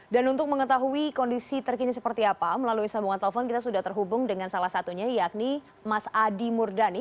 dan untuk mengetahui kondisi terkini seperti apa melalui sambungan telepon kita sudah terhubung dengan salah satunya yakni mas adi murdani